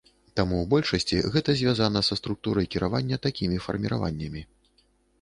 Таму, у большасці гэта звязана са структурай кіравання такімі фарміраваннямі.